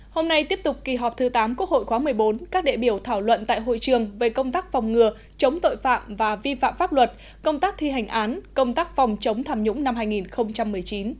hôm nay tiếp tục kỳ họp thứ tám quốc hội khóa một mươi bốn các đệ biểu thảo luận tại hội trường về công tác phòng ngừa chống tội phạm và vi phạm pháp luật công tác thi hành án công tác phòng chống tham nhũng năm hai nghìn một mươi chín